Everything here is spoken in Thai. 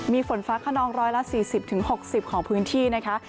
มีฝนฟ้าขนอง๑๔๐๖๐ของพื้นที่นะคะ